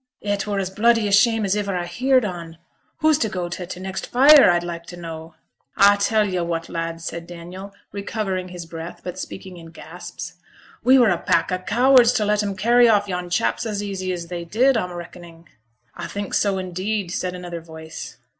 'It were as bloody a shame as iver I heerd on. Who's to go t' t' next fire, a'd like to know!' 'A tell yo' what, lads,' said Daniel, recovering his breath, but speaking in gasps. 'We were a pack o' cowards to let 'em carry off yon chaps as easy as they did, a'm reckoning!' 'A think so, indeed,' said another voice.